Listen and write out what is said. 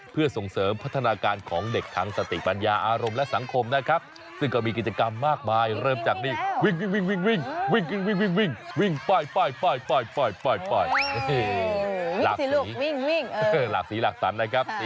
เพื่อส่งเสริมพัฒนาการของเด็กทางสติปัญญาอารมณ์และสังคมนะครับ